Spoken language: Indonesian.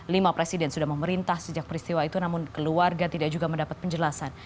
lima presiden sudah memerintah sejak peristiwa itu namun keluarga tidak juga mendapat penjelasan